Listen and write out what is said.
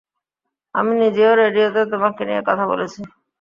আমি নিজেও রেডিওতে তোমাকে নিয়ে কথা বলেছি।